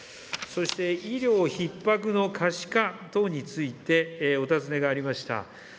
そして、医療ひっ迫の可視化等についてお尋ねがありました。